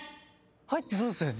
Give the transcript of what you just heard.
入ってそうですよね。